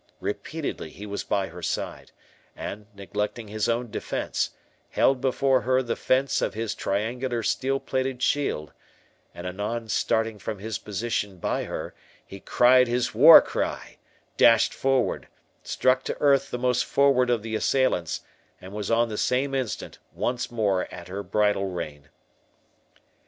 Repeatedly he was by her side, and, neglecting his own defence, held before her the fence of his triangular steel plated shield; and anon starting from his position by her, he cried his war cry, dashed forward, struck to earth the most forward of the assailants, and was on the same instant once more at her bridle rein.